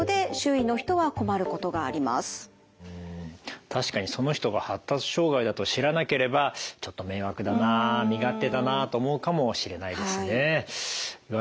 うん確かにその人が発達障害だと知らなければちょっと迷惑だな身勝手だなと思うかもしれないですね。